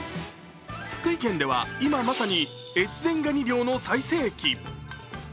福井県では今まさに越前ガニ漁の最盛期。